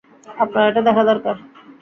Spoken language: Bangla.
আপনার এটা দেখা দরকার।